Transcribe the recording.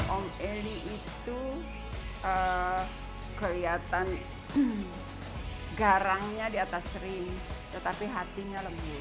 om eli itu kelihatan garangnya di atas ring tetapi hatinya lembut